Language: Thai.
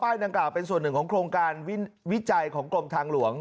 ดังกล่าวเป็นส่วนหนึ่งของโครงการวิจัยของกรมทางหลวง